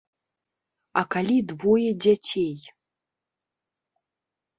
А калі двое дзяцей?